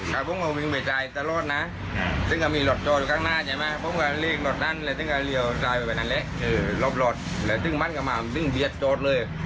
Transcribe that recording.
แล้วซึ่งมันกลับมาซึ่งเบียดโจทย์เลย